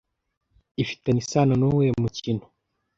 ifitanye isano nuwuhe mukino